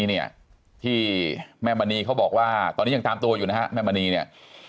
เนี่ยที่แม่มณีเขาบอกว่าตอนนี้ยังตามตัวอยู่นะฮะแม่มณีเนี่ย